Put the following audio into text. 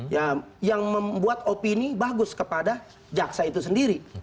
ya yang membuat opini bagus kepada jaksa itu sendiri